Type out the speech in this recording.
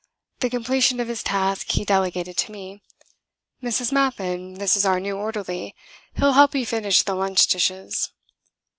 The completion of his task he delegated to me. "Mrs. Mappin, this is our new orderly. He'll help you finish the lunch dishes."